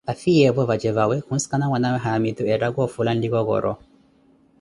Afiyeevo vaje vawe khunsikana mwanawe haamitu eattaka ofula nlikokoro.